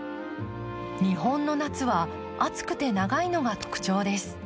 日本の夏は暑くて長いのが特徴です。